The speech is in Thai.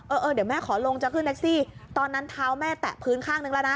เออเดี๋ยวแม่ขอลงจะขึ้นแท็กซี่ตอนนั้นเท้าแม่แตะพื้นข้างนึงแล้วนะ